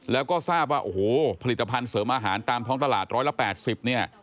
แล้วก็ทราบว่าโอ้โหผลิตภัณฑ์เสริมอาหารตามท้องตลาด๑๘๐เนี่ย